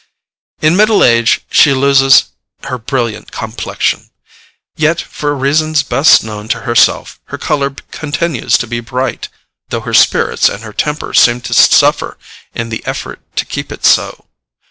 In middle age she loses her brilliant complexion. Yet, for reasons best known to herself, her colour continues to be bright, though her spirits and her temper seem to suffer in the effort to keep it so.